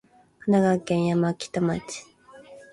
神奈川県山北町